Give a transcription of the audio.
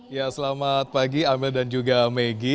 ya selamat pagi amel dan juga maggie